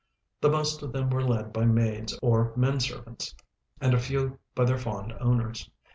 The most of them were led by maids or men servants, and a few by their fond owners.